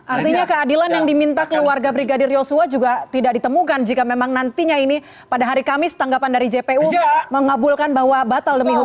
artinya keadilan yang diminta keluarga brigadir yosua juga tidak ditemukan jika memang nantinya ini pada hari kamis tanggapan dari jpu mengabulkan bahwa batal demi hukum